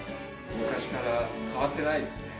昔から変わってないですね。